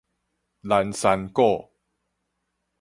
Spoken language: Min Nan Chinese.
零星股